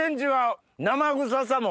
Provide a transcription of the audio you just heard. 生臭さも。